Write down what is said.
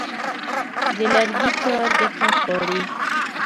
د لرګي کار دقت غواړي.